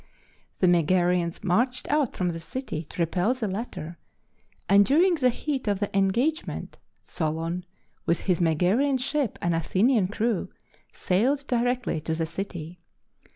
The Megarians marched out from the city to repel the latter, and during the heat of the engagement Solon, with his Megarian ship and Athenian crew, sailed directly to the city.